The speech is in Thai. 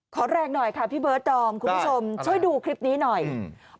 แรงหน่อยค่ะพี่เบิร์ดดอมคุณผู้ชมช่วยดูคลิปนี้หน่อยอืม